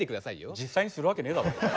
実際にするわけねえだろ。